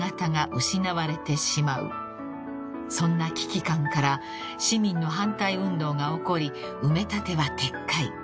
［そんな危機感から市民の反対運動が起こり埋め立ては撤回］